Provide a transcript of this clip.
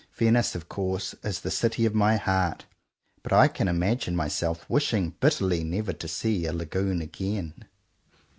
Venice of course is the city of my heart; but I can imagine myself wishing bitterly never to see a lagoon again.